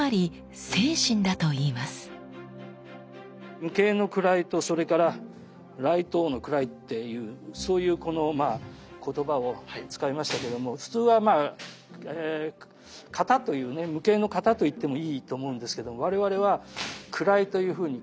無形の位とそれから雷刀の位っていうそういうこの言葉を使いましたけども普通はまあ型というね無形の型と言ってもいいと思うんですけど我々は位というふうに言葉を使って。